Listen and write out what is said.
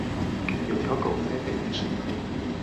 有条狗塞在岩石里面